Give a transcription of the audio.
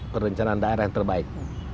perencanaan daerah yang terbaik